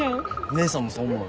姉さんもそう思う？